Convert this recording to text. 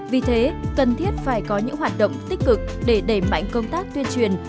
vì thế cần thiết phải có những hoạt động tích cực để đẩy mạnh công tác tuyên truyền